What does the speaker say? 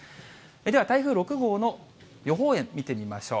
では台風６号の予報円、見てみましょう。